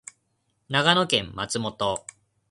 長野県松本